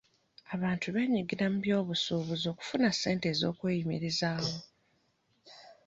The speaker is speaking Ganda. Abantu beenyigira mu byobusuubuzi okufuna ssente z'okweyimirizaawo.